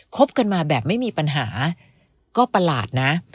บกันมาแบบไม่มีปัญหาก็ประหลาดนะ